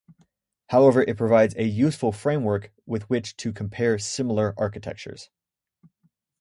However, it provides a useful framework with which to compare similar architectures.